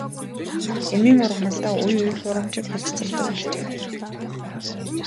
Эмийн ургамалдаа үе үе хуурамчийг хольж зардаг болжээ.